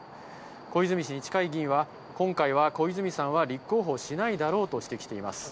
小泉氏に近い議員は、今回は小泉さんは立候補しないだろうと指摘しています。